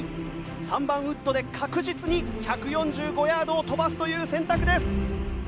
３番ウッドで確実に１４５ヤードを飛ばすという選択です。